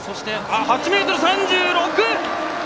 ８ｍ３６。